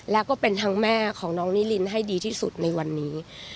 แล้วก็เป็นทั้งแม่ของน้องนิรินให้ดีที่สุดในวันนี้